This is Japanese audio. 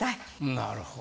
なるほど。